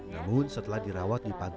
namun setelah dirawat di pantai